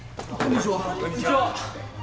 こんにちは。